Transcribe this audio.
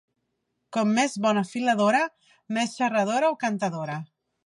Com més bona filadora, més xerradora o cantadora.